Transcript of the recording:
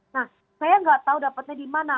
nah saya nggak tahu dapatnya di mana